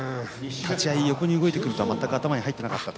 立ち合い横に動いてくるとは頭に全く入ってこなかった。